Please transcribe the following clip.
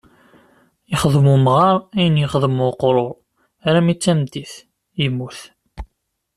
Yexdem umɣar ayen yexdem uqrur armi d tameddit, yemmut.